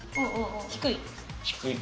低い。